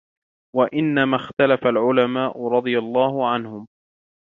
وَإِنَّمَا اخْتَلَفَ الْعُلَمَاءُ رَضِيَ اللَّهُ عَنْهُمْ